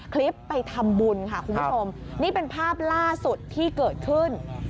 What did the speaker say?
ไปทำบุญค่ะคุณผู้ชมนี่เป็นภาพล่าสุดที่เกิดขึ้น